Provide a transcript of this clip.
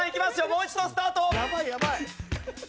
もう一度スタート。